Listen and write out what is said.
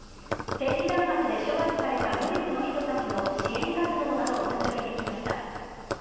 政治弾圧で処罰された無実の人たちの支援活動などを続けてきました。